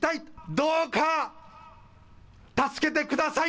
どうか、助けてください。